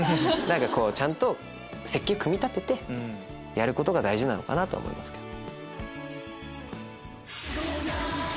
ちゃんと設計を組み立ててやることが大事なのかなと思いますけど。